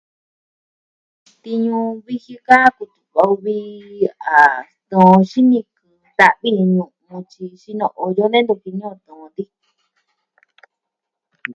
Tiñu viji ka kutu'va o vi a tɨɨn xinikɨ. Ta'vi iin ñu'un tyi xino'o yo nee ntu tiñu tun ti.